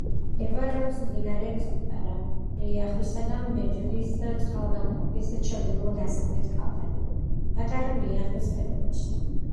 მდებარეობს მდინარეების პატარა ლიახვისა და მეჯუდის წყალგამყოფის ჩრდილო-დასავლეთ კალთაზე, პატარა ლიახვის ხეობაში.